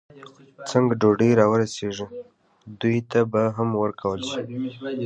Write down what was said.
څنګه ډوډۍ را ورسېږي، دوی ته به هم ورکول شي.